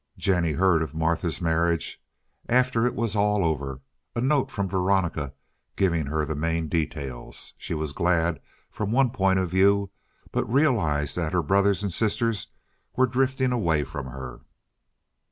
Jennie heard of Martha's marriage after it was all over, a note from Veronica giving her the main details. She was glad from one point of view, but realized that her brothers and sisters were drifting away from her.